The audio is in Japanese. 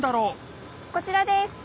こちらです！